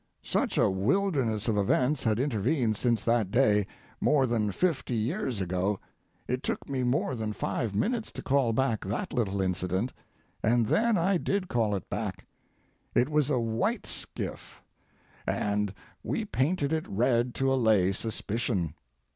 Such a wilderness of events had intervened since that day, more than fifty years ago, it took me more than five minutes to call back that little incident, and then I did call it back; it was a white skiff, and we painted it red to allay suspicion.